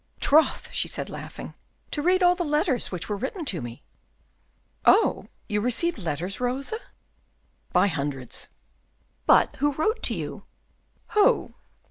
"Troth," she said, laughing, "to read all the letters which were written to me." "Oh, you received letters, Rosa?" "By hundreds." "But who wrote to you?" "Who!